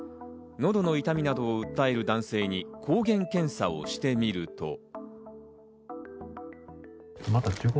のどの痛みなどを訴える男性に抗原検査をしてみると。